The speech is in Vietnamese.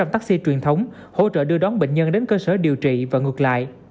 một trăm taxi truyền thống hỗ trợ đưa đón bệnh nhân đến cơ sở điều trị và ngược lại